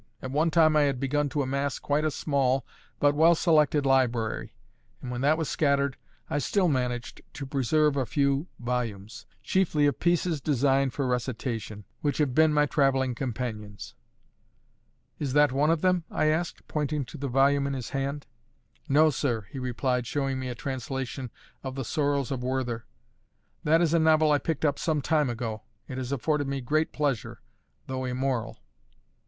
"At one time I had begun to amass quite a small but well selected library; and when that was scattered, I still managed to preserve a few volumes chiefly of pieces designed for recitation which have been my travelling companions." "Is that one of them?" I asked, pointing to the volume in his hand. "No, sir," he replied, showing me a translation of the Sorrows of Werther, "that is a novel I picked up some time ago. It has afforded me great pleasure, though immoral."